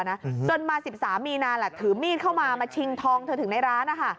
จนมา๑๓มีนาแหละถือมีดเข้ามามาชิงทองเธอถึงในร้านนะคะ